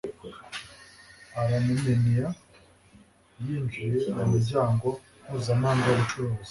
arumeniya yinjiye mu muryango mpuzamahanga w'ubucuruzi